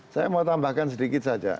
saya mau tambahkan sedikit saja